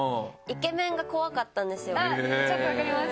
ちょっと分かります！